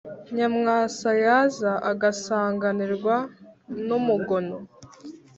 . Nyamwasa yaza agasanganirwa n’umugono